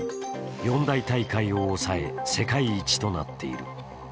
四大大会を抑え、世界一となっている。